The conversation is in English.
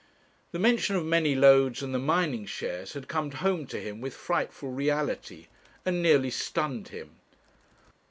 The mention of Manylodes and the mining shares had come home to him with frightful reality, and nearly stunned him.